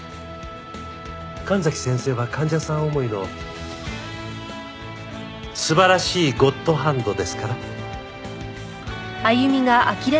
神崎先生は患者さん思いの素晴らしいゴッドハンドですから。